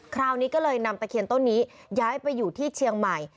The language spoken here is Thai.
คราวนี้ก็เลยนำตะเคียนต้นนี้ย้ายไปอยู่ที่เชียงใหม่